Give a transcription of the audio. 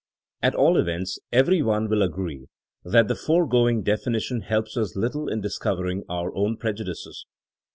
At all events, every one will agree that the foregoing definition helps us little in dis covering our own prejudices.